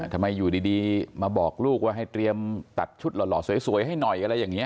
ทำไมอยู่ดีมาบอกลูกว่าให้เตรียมตัดชุดหล่อสวยให้หน่อยอะไรอย่างนี้